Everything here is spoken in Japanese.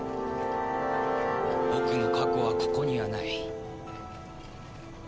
僕の過去はここにはない。